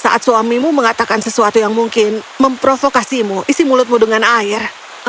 saat suamimu mengatakan sesuatu yang mungkin memprovokasimu isi mulutmu dengan air